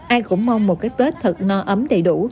ai cũng mong một cái tết thật no ấm đầy đủ